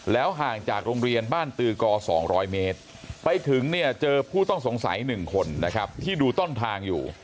แล้วห่างจากโรงเรียนบ้านตือกอ๒๐๐เมตรไปถึงเจอพูดต้องสงสัย๑คนที่ดูต้นทางอยู่